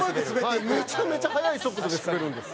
めちゃめちゃ速い速度でスベるんです。